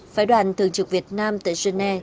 phái đoàn thường trực việt nam tại genève